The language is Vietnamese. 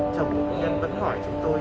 chồng bệnh nhân vẫn hỏi chúng tôi